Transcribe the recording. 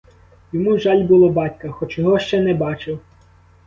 Йому жаль було батька, хоч його ще не бачив.